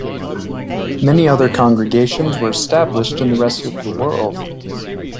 Many other congregations were established in the rest of the world.